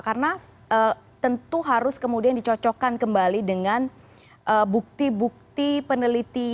karena tentu harus kemudian dicocokkan kembali dengan bukti bukti penelitian investigasi